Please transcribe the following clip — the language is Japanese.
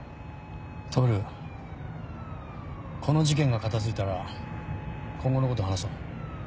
この事件が片付いたら今後のこと話そう。